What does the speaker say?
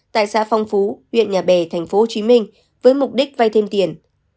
tại xã phong phú huyện nhà bè tp hcm với mục đích vay thêm tiền